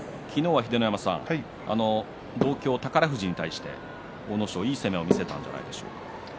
昨日は同郷の宝富士に対して阿武咲がいい相撲を見せたんじゃないでしょうか。